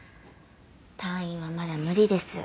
退院はまだ無理です。